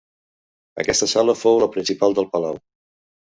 Aquesta sala fou la principal del palau.